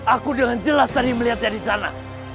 aku dengan jelas tadi melihatnya disana